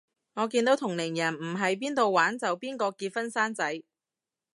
我見到同齡人唔係邊到玩就邊個結婚生仔